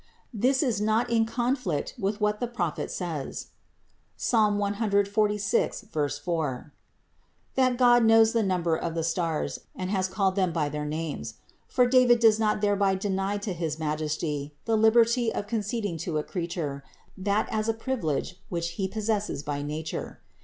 42. This is not in conflict with what the Prophet says, (Psalm 146, 4), that God knows the number of the stars and has called them by their names; for David does not thereby deny to his Majesty the liberty of conceding to a creature that as a privilege which He possesses by nature.